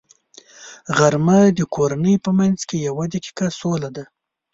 غرمه د کورنۍ په منځ کې یوه دقیقه سوله ده